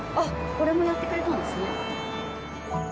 これもやってくれたんですね